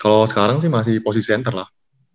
kalau sekarang sih masih posisi center lah